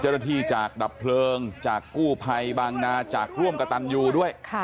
ใจรถิจากดับเพลงจากกู้ไภบางนาจากร่วมกัดตันโยด้วย